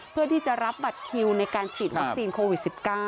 เพื่อที่จะรับบัตรคิวในการฉีดวัคซีนโควิด๑๙